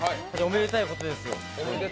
おめでたいことですよ。